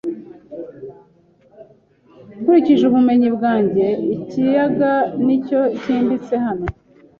Nkurikije ubumenyi bwanjye, ikiyaga nicyo cyimbitse hano.